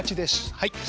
はい。